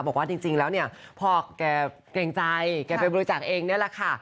บอกว่าจริงแล้วพ่อแก่เกรงใจแก่ไปบริจักษ์เองนั่นแหละค่ะ